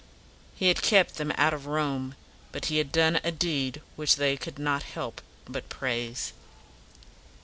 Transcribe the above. He had kept them out of Rome, but he had done a deed which they could not help but praise.